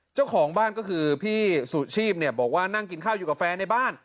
เจ้าของบ้านก็คือพี่สุชีพเนี่ยบอกว่านั่งกินข้าวอยู่กับแฟนในบ้าน